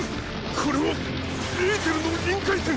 これはエーテルの臨界点。